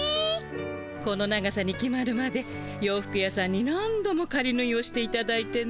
この長さに決まるまで洋服屋さんに何度もかりぬいをしていただいてね。